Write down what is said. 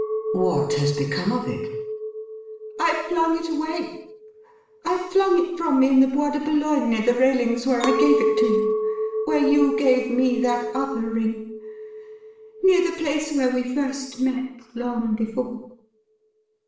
' What has become of it ?'' I flung it away. I flung it from me in the Bois de Boulogne, near the railings where I gave it to you, where you gave me that other ring — near the place where we first met long before.'